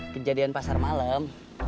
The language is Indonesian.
kejadian pasar malam